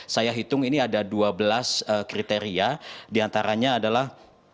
saya hitung ini ada dua belas kriteria diantaranya adalah